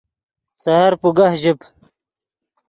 سحر پوگہ ژیب